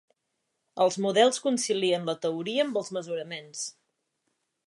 Els models concilien la teoria amb els mesuraments.